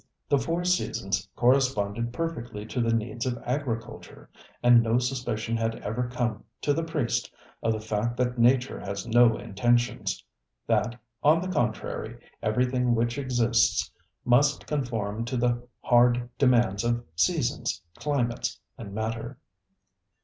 The four seasons corresponded perfectly to the needs of agriculture, and no suspicion had ever come to the priest of the fact that nature has no intentions; that, on the contrary, everything which exists must conform to the hard demands of seasons, climates and matter.